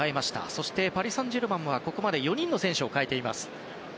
そして、パリ・サンジェルマンはここまで４人の選手を代えています。